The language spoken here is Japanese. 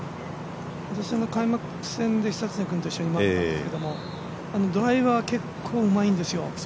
今年は、開幕戦で久常君と一緒に回ったんですけどドライバーは結構うまいんですよ。